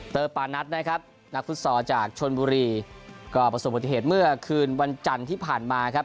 ปานัทนะครับนักฟุตซอลจากชนบุรีก็ประสบปฏิเหตุเมื่อคืนวันจันทร์ที่ผ่านมาครับ